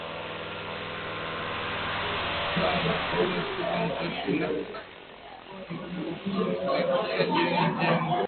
nikushukuru sana paulo silva mcheshi na nikutakie jioni njema